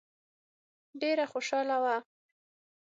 ډېره خوشاله وه.